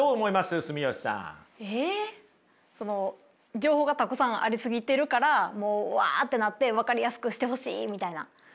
情報がたくさんありすぎてるからもうわってなって分かりやすくしてほしいみたいな。